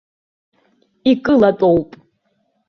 Икылатәоуп.